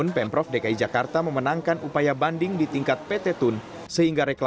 di pendek menengah atau di yang panjang